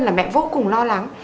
là mẹ vô cùng lo lắng